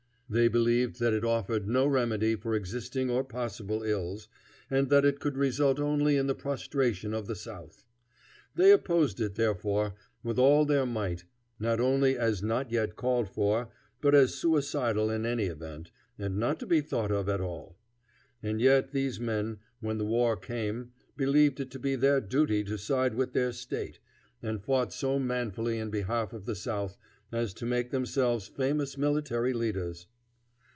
They believed that it offered no remedy for existing or possible ills, and that it could result only in the prostration of the South. They opposed it, therefore, with all their might; not only as not yet called for, but as suicidal in any event, and not to be thought of at all. And yet these men, when the war came, believed it to be their duty to side with their State, and fought so manfully in behalf of the South as to make themselves famous military leaders.